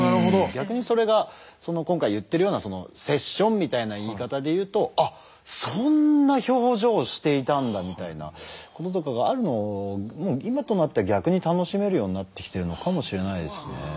逆にそれが今回言ってるようなセッションみたいな言い方で言うと「あっそんな表情をしていたんだ」みたいなこととかがあるのも今となっては逆に楽しめるようになってきてるのかもしれないですね。